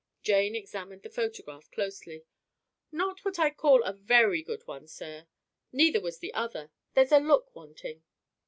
Jane examined the photograph closely. "Not what I'd call a very good one, sir, neither was the other. There's a look wanting."